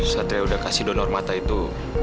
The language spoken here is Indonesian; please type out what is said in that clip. satria sudah kasih donor mata itu